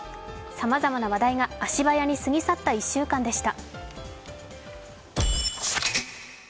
さまざまな話題が足早に過ぎ去った１週間でした。